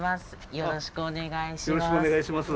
よろしくお願いします。